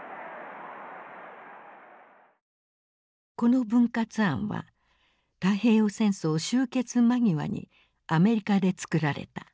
この分割案は太平洋戦争終結間際にアメリカで作られた。